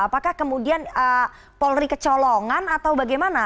apakah kemudian polri kecolongan atau bagaimana